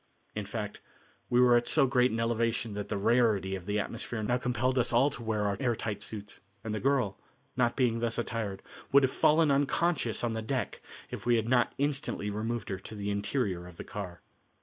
In fact, we were at so great an elevation that the rarity of the atmosphere now compelled us all to wear our air tight suits, and the girl, not being thus attired, would have fallen unconscious on the deck if we had not instantly removed her to the interior of the car.